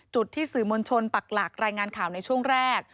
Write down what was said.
จุดที่สื่อมวลชนปักหลักรายงานข่าวในช่วงแรก